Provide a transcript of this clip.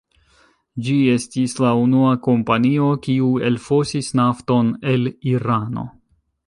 Ĝi estis la unua kompanio kiu elfosis nafton el Irano.